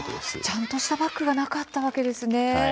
ちゃんとしたバッグがなかったわけですね。